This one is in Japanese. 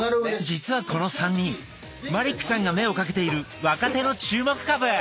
実はこの３人マリックさんが目をかけている若手の注目株！